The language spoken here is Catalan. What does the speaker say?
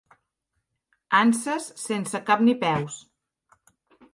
Anses sense cap ni peus.